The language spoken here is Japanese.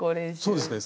そうですね。